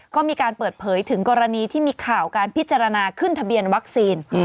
ก็มีการเปิดเผยถึงกรณีที่มีข่าวการพิจารณาขึ้นทะเบียนวัคซีน